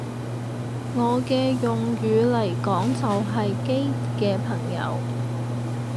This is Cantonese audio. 我嘅用語嚟講就係基嘅朋友